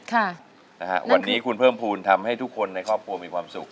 ค่ะนะฮะวันนี้คุณเพิ่มภูมิทำให้ทุกคนในครอบครัวมีความสุข